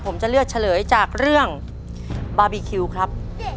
ผมจะเลือกเฉลยจากเรื่องบาร์บีคิวครับ